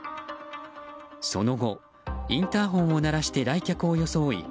その後、インターホンを鳴らして来客を装い